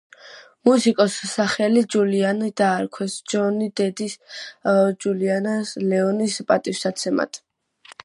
მუსიკოსს სახელი ჯულიანი დაარქვეს ჯონის დედის, ჯულია ლენონის პატივსაცემად.